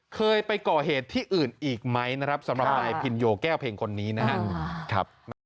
เคยไปก่อเหตุที่อื่นอีกไหมนะครับสำหรับนายพินโยแก้วเพลงคนนี้นะครับ